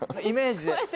イメージで。